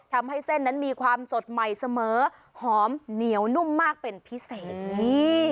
ทำให้เส้นนั้นมีความสดใหม่เสมอหอมเหนียวนุ่มมากเป็นพิเศษนี่